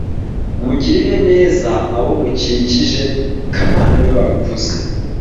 Mugirire neza abo mugukikije kamana niwe wabivuze